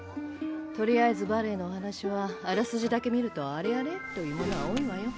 とりあえずバレエのお話はあらすじだけ見ると「あれ？あれ？」というものは多いわよ。